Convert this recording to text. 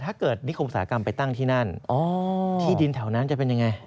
ถ้าเกิดนิคมอุตสาหกรรมไปตั้งที่นั่นที่ดินแถวนั้นจะเป็นยังไง